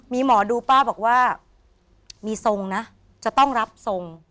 มีหมอดูป้าบอกว่ามีทรงนะจะต้องรับทรง